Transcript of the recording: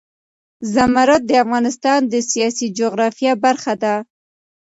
زمرد د افغانستان د سیاسي جغرافیه برخه ده.